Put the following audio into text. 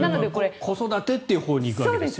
子育てというほうに行くわけですね。